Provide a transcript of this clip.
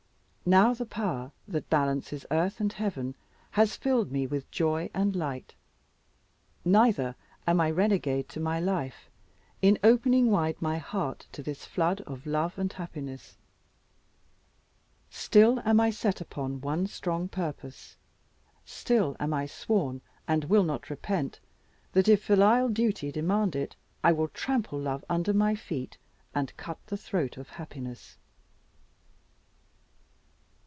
Now the Power, that balances earth and heaven, has filled me with joy and light. Neither am I renegade to my life, in opening wide my heart to this flood of love and happiness. Still am I set upon one strong purpose. Still am I sworn, and will not repent, that if filial duty demand it, I will trample love under my feet, and cut the throat of happiness.